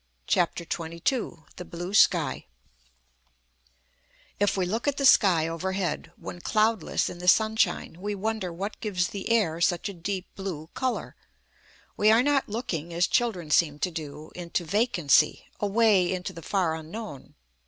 CHAPTER XXII THE BLUE SKY If we look at the sky overhead, when cloudless in the sunshine, we wonder what gives the air such a deep blue colour. We are not looking, as children seem to do, into vacancy, away into the far unknown.